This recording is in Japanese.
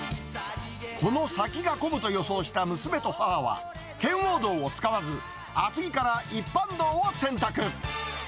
この先が混むと予想した娘と母は、圏央道を使わず、厚木から一般道を選択。